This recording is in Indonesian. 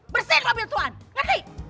bersihin mobil tuhan ngerti